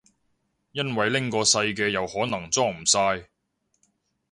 因為拎個細嘅又可能裝唔晒